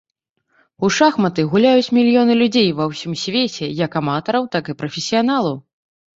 У шахматы гуляюць мільёны людзей ва ўсім свеце як аматараў, так і прафесіяналаў.